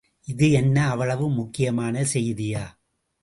இது என்ன அவ்வளவு முக்கியமான செய்தியா?